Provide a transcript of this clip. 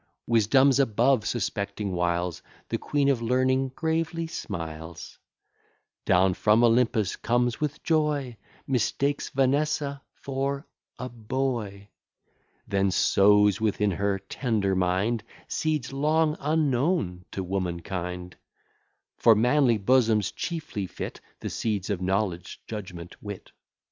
Wisdom's above suspecting wiles; The Queen of Learning gravely smiles, Down from Olympus comes with joy, Mistakes Vanessa for a boy; Then sows within her tender mind Seeds long unknown to womankind: For manly bosoms chiefly fit, The seeds of knowledge, judgment, wit.